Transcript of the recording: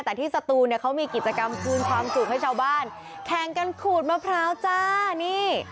แต่ที่สตูนเนี่ยเขามีกิจกรรมคืนความสุขให้ชาวบ้านแข่งกันขูดมะพร้าวจ้านี่